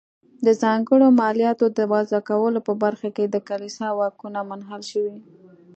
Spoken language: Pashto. د ځانګړو مالیاتو د وضع کولو په برخه کې د کلیسا واکونه منحل شول.